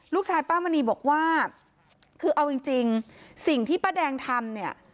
ลูกชายป้ามันนี่บอกว่าคือเอาจริงจริงสิ่งที่ป้าแดงทำเนี้ย